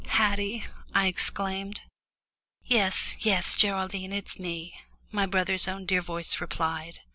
"Haddie," I exclaimed. "Yes, yes, Geraldine, it's me," my brother's own dear voice replied.